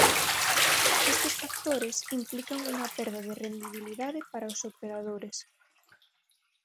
Estes factores implican unha perda de rendibilidade para os operadores.